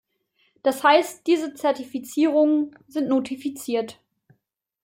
Das heißt, diese Zertifizierungen sind notifiziert.